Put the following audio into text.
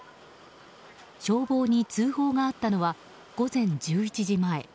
消防に通報があったのは午前１１時前。